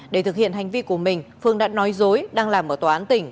để thực hiện hành vi của mình phương đã nói dối đang làm ở tòa án tỉnh